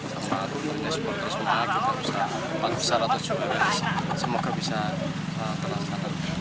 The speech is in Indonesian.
terus semuanya kita bisa bangun besar atau juga semoga bisa terasa